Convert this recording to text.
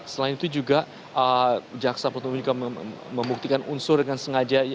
selain itu juga jaksa penutup juga membuktikan unsur dengan sengaja